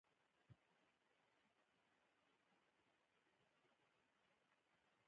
ایا ستاسو طبیعت به خوندي وي؟